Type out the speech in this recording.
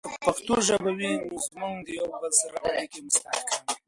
که پښتو ژبه وي، نو زموږ د یوه بل سره اړیکې مستحکم وي.